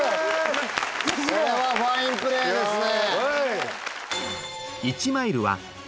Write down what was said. これはファインプレーですね。